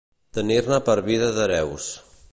Tenir-ne per vida d'hereus.